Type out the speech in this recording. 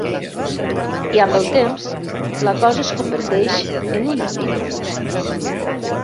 I amb el temps la cosa es converteix en un hàbit.